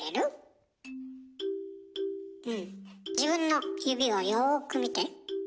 うん自分の指をよく見て。